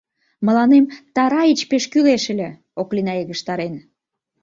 — Мыланем Тараич пеш кӱлеш ыле, — Оклина йыгыжтарен.